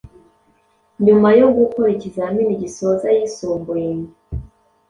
Nyuma yo gukora ikizamini gisoza ayisumbuye